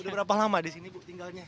udah berapa lama di sini bu tinggalnya